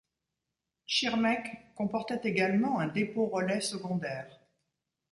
Schirmeck comportait également un dépôt-relais secondaire.